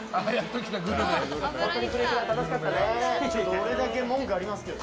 俺だけ文句ありますけどね。